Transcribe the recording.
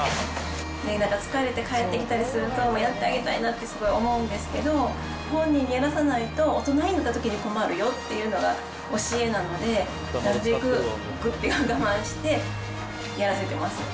なんか疲れて帰ってきたりすると、やってあげたいなってすごい思うんですけど、本人にやらさないと、大人になったときに困るよっていうのが教えなので、なるべくぐって我慢して、やらせてます。